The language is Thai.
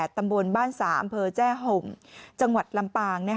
ตำบลบ้านสาอำเภอแจ้ห่มจังหวัดลำปาง